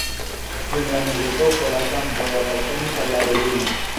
Dum la mezepoko la kampoj apartenis al la reĝino.